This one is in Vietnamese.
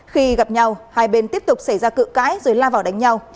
khi gặp nhau hai bên tiếp tục xảy ra cự cãi rồi la vào đánh nhau